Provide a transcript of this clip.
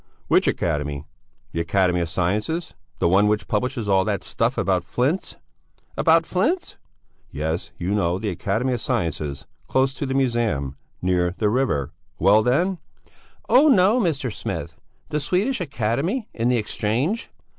"Which Academy? The Academy of Sciences? The one which publishes all that stuff about flints?" "About flints?" "Yes, you know the Academy of Sciences! Close to the Museum, near the river. Well, then!" "Oh, no, Mr. Smith! The Swedish Academy, in the Exchange...."